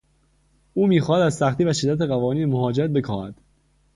او میخواهد از سختی و شدت قوانین مهاجرت بکاهد.